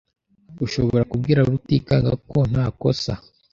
Ushobora kubwira Rutikanga ko ntakosa?